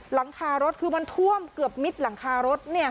หลังคารถคือมันท่วมเกือบมิดหลังคารถ